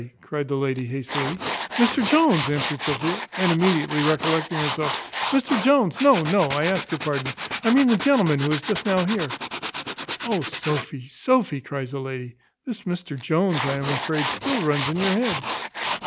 cried the lady hastily. "Mr Jones," answered Sophia; and immediately recollecting herself, "Mr Jones! no, no; I ask your pardon; I mean the gentleman who was just now here." "O Sophy! Sophy!" cries the lady; "this Mr Jones, I am afraid, still runs in your head."